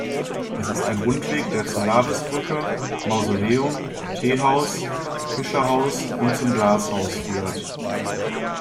Es ist ein Rundweg, der zu Laves-Brücke, Mausoleum, Teehaus, Fischerhaus und zum Glashaus führt.